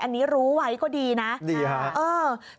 อันนี้รู้ไว้ก็ดีนะดีค่ะ